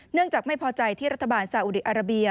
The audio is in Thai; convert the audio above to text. จากไม่พอใจที่รัฐบาลสาอุดีอาราเบีย